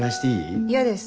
嫌です